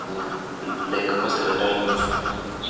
Ongea na watu upate maarifa